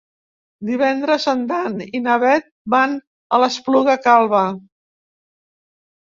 Divendres en Dan i na Bet van a l'Espluga Calba.